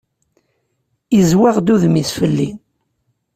Izzweɣ-d udem-is fell-i.